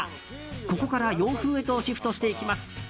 ここから洋風へとシフトしていきます。